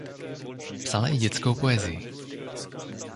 Psala i dětskou poezii.